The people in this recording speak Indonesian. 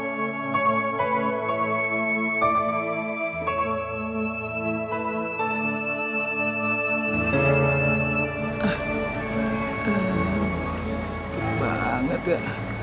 gede banget ya